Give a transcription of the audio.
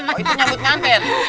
oh itu nyambut nganten